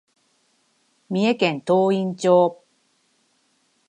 三重県東員町